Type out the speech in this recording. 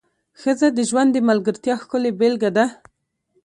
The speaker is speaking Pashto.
ښځه د ژوند د ملګرتیا ښکلې بېلګه ده.